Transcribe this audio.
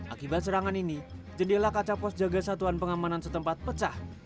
akibat serangan ini jendela kaca pos jaga satuan pengamanan setempat pecah